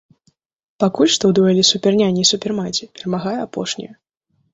Пакуль што ў дуэлі суперняні і супермаці перамагае апошняя.